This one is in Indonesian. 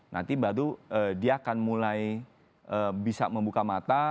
nanti baru dia akan mulai bisa membuka mata